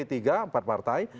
yang kedua p tiga empat partai